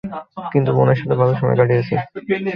কিন্তু বোনের সাথে ভালো সময় কাটিয়েছি।